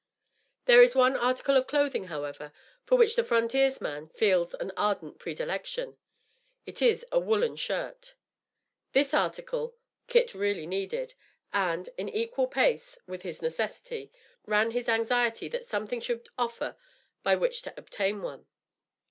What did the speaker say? There is one article of clothing, however, for which the frontiersman feels an ardent predilection. It is a woollen shirt. This article, Kit really needed; and, in equal pace with his necessity, ran his anxiety that something should offer by which to obtain one.